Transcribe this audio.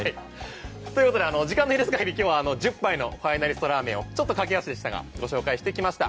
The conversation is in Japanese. ということで時間の許す限り今日はあの１０杯のファイナリスト・ラーメンをちょっと駆け足でしたがご紹介してきました。